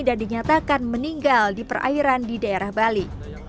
dan dinyatakan meninggal di perairan di daerah bali